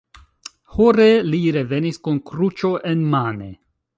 Hore, li revenis kun kruĉo enmane.